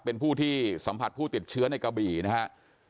เป็นผู้ที่สัมผัสผู้ติดเชื้อในกระบี่นะครับ